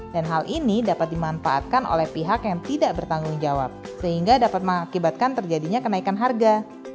hal ini dapat dimanfaatkan oleh pihak yang tidak bertanggung jawab sehingga dapat mengakibatkan terjadinya kenaikan harga